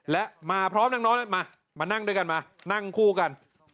และมาพร้อมน้องมามานั่งด้วยกันมานั่งคู่กัน